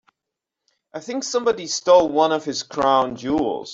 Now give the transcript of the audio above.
I think somebody stole one of his crown jewels.